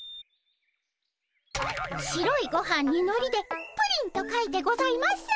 白いごはんにのりで「プリン」と書いてございます。